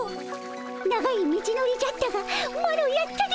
長い道のりじゃったがマロやったでおじゃる。